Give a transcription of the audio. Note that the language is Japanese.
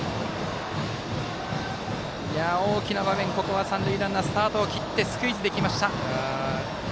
大きな場面、ここは三塁ランナースタートを切ってスクイズできました。